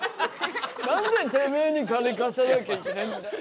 何でてめえに金貸さなきゃいけないんだよ！